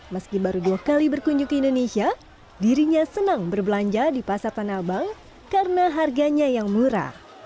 meski baru dua kali berkunjung ke indonesia dirinya senang berbelanja di pasar tanah abang karena harganya yang murah